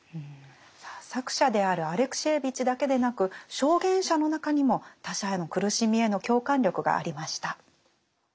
さあ作者であるアレクシエーヴィチだけでなく証言者の中にも他者への苦しみへの共感力がありました。